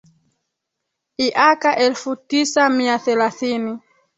iaka elfu tisamia thelathini